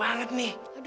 jadi jadi nabi ero